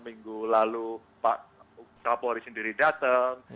minggu lalu pak kapolri sendiri datang